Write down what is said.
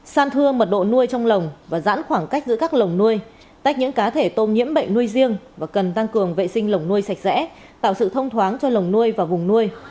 san thưa mật độ nuôi trong lồng và giãn khoảng cách giữa các lồng nuôi tách những cá thể tôm nhiễm bệnh nuôi riêng và cần tăng cường vệ sinh lồng nuôi sạch sẽ tạo sự thông thoáng cho lồng nuôi và vùng nuôi